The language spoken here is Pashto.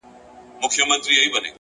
علم د ناپوهۍ پر وړاندې سپر دی.